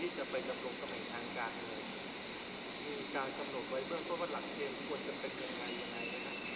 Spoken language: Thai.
มีการจำนวนไว้เพราะว่าหลักเกณฑ์ควรจะเป็นอย่างไรอย่างไรนะครับ